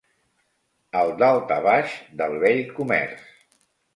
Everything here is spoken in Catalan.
El daltabaix del vell comerç